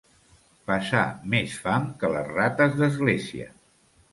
Passar més fam que les rates d'església.